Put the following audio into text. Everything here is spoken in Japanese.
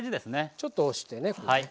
ちょっと押してねこれ。